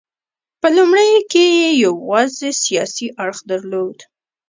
په لومړیو کې یې یوازې سیاسي اړخ درلود.